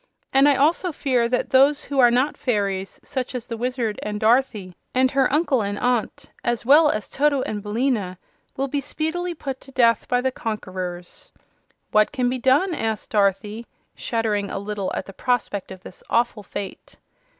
"And I also fear that those who are not fairies, such as the Wizard, and Dorothy, and her uncle and aunt, as well as Toto and Billina, will be speedily put to death by the conquerors." "What can be done?" asked Dorothy, shuddering a little at the prospect of this awful fate.